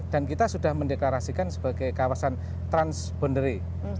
dan kita sudah mendeklarasikan sebagai kawasan transbondary